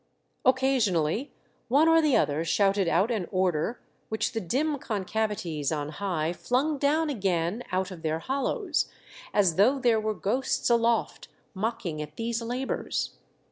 Occasionally one or the other shouted out an order which the dim concavities on high flung down again out of their hollows, as though there were ghosts aloft mocking at these labours.